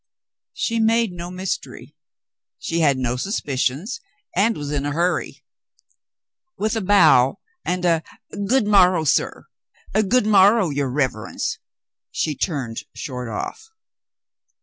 She made 34 HE SEES HIS INSPIRATION 35 no mystery. She had no suspicions, and was in a hurry. With a bow and a "Good morrow, sir. Good morrow, your reverence," she turned short off.